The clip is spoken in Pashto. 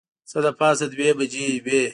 څه د پاسه دوې بجې وې.